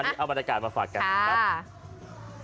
อันนี้เอาบรรยากาศมาฝากกันครับ